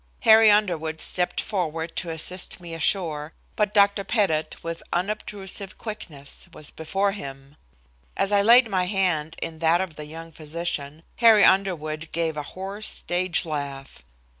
Harry Underwood stepped forward to assist me ashore, but Dr. Pettit, with unobtrusive quickness, was before him. As I laid my hand in that of the young physician, Harry Underwood gave a hoarse stage laugh.